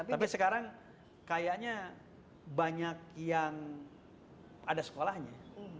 tapi sekarang kayaknya banyak yang ada sekolahnya